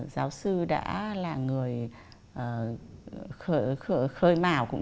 giáo sư đã là người khơi màu